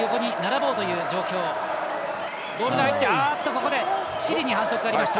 ここでチリに反則がありました。